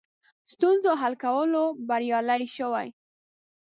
ستونزو حل کولو بریالي شوي.